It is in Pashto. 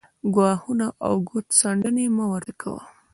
ګواښونه او ګوت څنډنې مه ورته کاوه